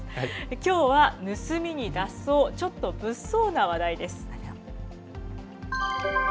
きょうは盗みに脱走、ちょっと物騒な話題です。